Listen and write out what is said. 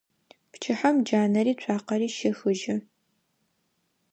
Пчыхьэм джанэри цуакъэри щехыжьы.